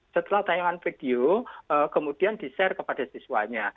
setelah tayangan video kemudian di share kepada siswanya